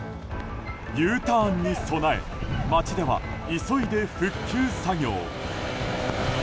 Ｕターンに備え街では急いで復旧作業。